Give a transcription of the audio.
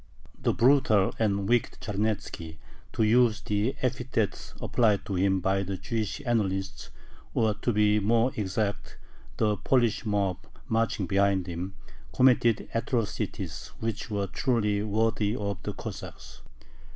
The brutal and wicked Charnetzki, to use the epithets applied to him by the Jewish annalists, or, to be more exact, the Polish mob marching behind him, committed atrocities which were truly worthy of the Cossacks.